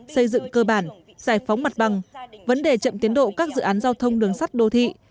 xây dựng cơ bản giải phóng mặt bằng vấn đề chậm tiến độ các dự án giao thông đường sắt đô thị